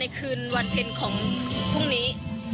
มันอาจจะเป็นแก๊สธรรมชาติค่ะ